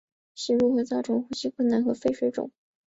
吸入会造成呼吸困难和肺水肿。